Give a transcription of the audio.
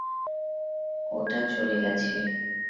ওটা চলে গেছে।